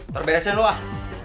terbaik sih lu ah